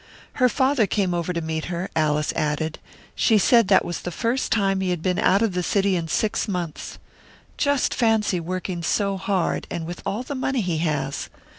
"Her father came over to meet her," Alice added. "She said that was the first time he had been out of the city in six months. Just fancy working so hard, and with all the money he has!